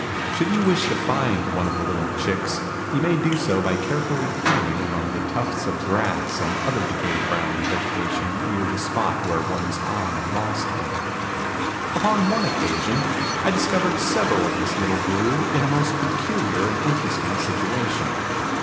Should you wish to find one of the little chicks you may do so by carefully feeling among the tufts of grass and other decayed brown vegetation nearest the spot where one's eye lost them. Upon one occasion I discovered several of this little brood in a most peculiar and interesting situation.